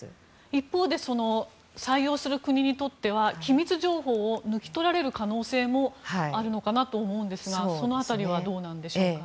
一方で採用する国にとっては機密情報を抜き取られる可能性もあるのかなと思うんですがその辺りはどうなんでしょうか。